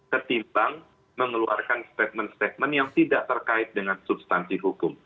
ketimbang mengeluarkan statement statement yang tidak terkait dengan substansi hukum